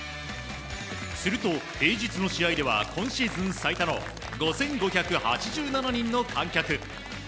すると、平日の試合では今シーズン最多の５５８７人の観客。